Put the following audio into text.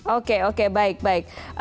oke oke baik baik